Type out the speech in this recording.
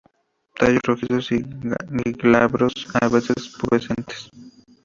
Tallos rojizos glabros y a veces pubescentes.